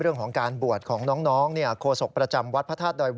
เรื่องของการบวชของน้องโฆษกประจำวัดพระธาตุดอย